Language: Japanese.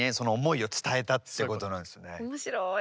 面白い。